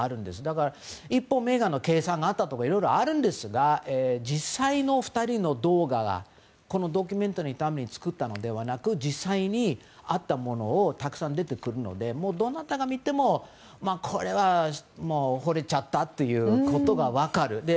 一方、メーガンの計算もあったとかいろいろあるんですが実際の２人の動画がこのドキュメンタリーのために作ったのではなく実際にあったものがたくさん出てくるのでどなたが見てもこれはほれちゃったということが分かる。